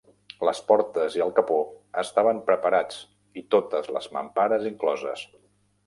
Les portes i el capó estaven preparats i totes les mampares incloses.